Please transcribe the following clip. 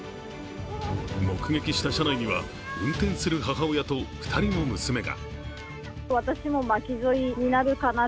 目撃した車内には運転する母親と２人の娘が。